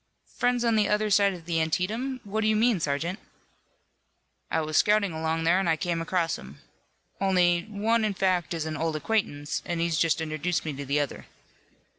"Friends on the other side of the Antietam. What do you mean, sergeant?" "I was scouting along there and I came across 'em. Only one in fact is an old acquaintance, an' he's just introduced me to the other."